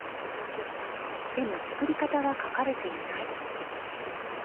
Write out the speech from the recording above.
でも作り方は書かれていない。